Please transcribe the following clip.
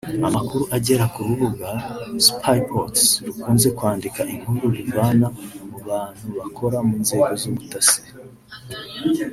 Amakuru agera ku rubuga Spyreports rukunze kwandika inkuru ruvana mu bantu bakora mu nzego z’ubutasi